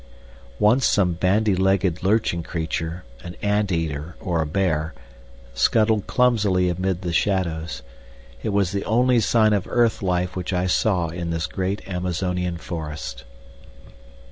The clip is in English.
Once some bandy legged, lurching creature, an ant eater or a bear, scuttled clumsily amid the shadows. It was the only sign of earth life which I saw in this great Amazonian forest.